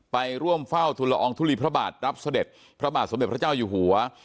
ไปร่วมเฝ้าทุลอองทุลีพระบาทรับเสด็จพระบาทสมเด็จพระเจ้าอยู่หัว